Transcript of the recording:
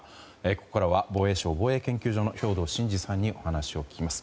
ここからは防衛省の防衛研究所の兵頭慎治さんにお話を聞きます。